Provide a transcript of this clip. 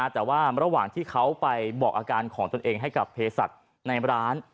แต่ว่าระหว่างที่เขาไปบอกอาการของตนเองให้กับเพศัตริย์ในร้าน